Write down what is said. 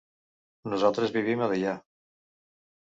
Nosaltres vivim a Deià.